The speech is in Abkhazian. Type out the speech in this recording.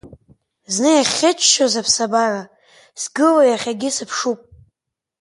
Зны иахьыччоз аԥсабара, сгыла иахьагьы сыԥшуп…